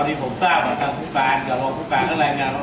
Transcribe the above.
ตอนนี้ผมทราบว่าคลุ้มพลานเกี่ยวกับโรคพลุฟาแล้วมีได้เลข๑๓หลักแล้ว